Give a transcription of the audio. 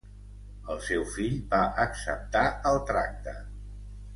El seu fill va acceptar el tracte.